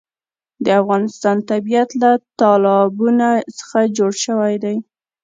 د افغانستان طبیعت له تالابونه څخه جوړ شوی دی.